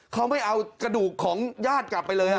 เขาไม่เอากระดูกของญาติกลับไปเลยฮะ